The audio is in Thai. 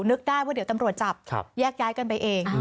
นึกได้ว่าเดี๋ยวตำรวจจับแยกย้ายกันไปเอง